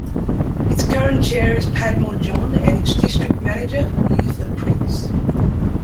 Its current chair is Padmore John, and its district manager Eutha Prince.